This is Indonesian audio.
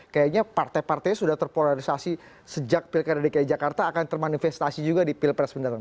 kayaknya partai partainya sudah terpolarisasi sejak pilkada dki jakarta akan termanifestasi juga di pilpres mendatang